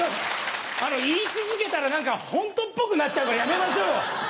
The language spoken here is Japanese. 言い続けたらホントっぽくなっちゃうからやめましょうよ。